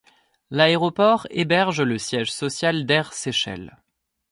L'aéroport héberge le siège social d'Air Seychelles.